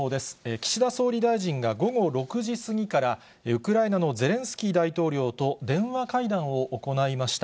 岸田総理大臣が午後６時過ぎから、ウクライナのゼレンスキー大統領と電話会談を行いました。